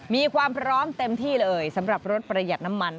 มีความพร้อมเต็มที่เลยสำหรับรถประหยัดน้ำมัน